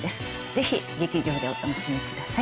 ぜひ劇場でお楽しみください。